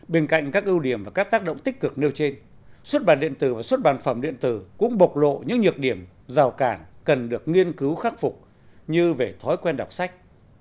bên cạnh các ưu điểm và các tác động tích cực nêu trên xuất bản điện tử và xuất bản phẩm điện tử cũng bộc lộ những nhược điểm rào cản cần được nghiên cứu khắc phục như về thói quen đọc sách